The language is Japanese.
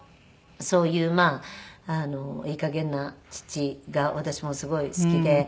そういういい加減な父が私もすごい好きで。